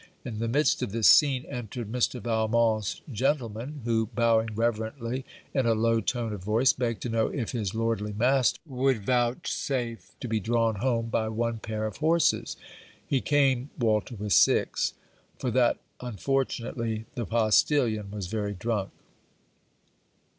In the midst of this scene entered Mr. Valmont's gentleman; who, bowing reverently, in a low tone of voice begged to know if his lordly master would vouchsafe to be drawn home by one pair of horses, (he came, Walter with six) for that unfortunately the postilion was very drunk.